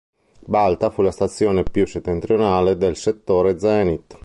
Balta fu la stazione più settentrionale del settore zenit.